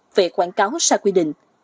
về quảng cáo sai quy định